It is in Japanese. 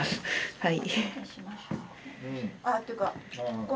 はい。